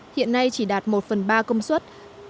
hiện nay chỉ đạt một phần ba công suất